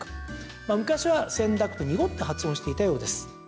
まあ、昔はせんだくと濁って発音していたようです。